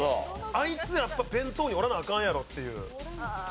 あいつやっぱ弁当におらなアカンやろっていう。